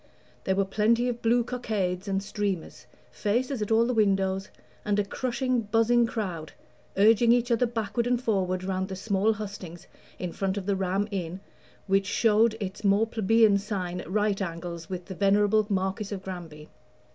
There were plenty of blue cockades and streamers, faces at all the windows, and a crushing buzzing crowd, urging each other backward and forward round the small hustings in front of the Ram Inn, which showed its more plebeian sign at right angles with the venerable Marquis of Granby.